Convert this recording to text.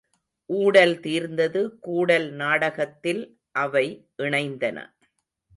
ஊடல் தீர்ந்தது கூடல் நாடகத்தில் அவை இணைந்தன.